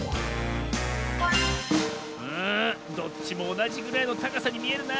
うんどっちもおなじぐらいのたかさにみえるなあ。